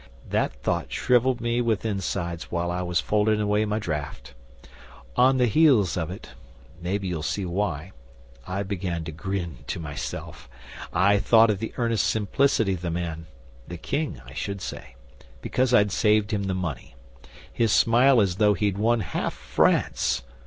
That thought shrivelled me with insides while I was folding away my draft. On the heels of it maybe you'll see why I began to grin to myself. I thought of the earnest simplicity of the man the King, I should say because I'd saved him the money; his smile as though he'd won half France!